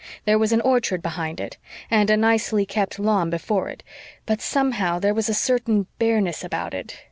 There was an orchard behind it, and a nicely kept lawn before it, but, somehow, there was a certain bareness about it.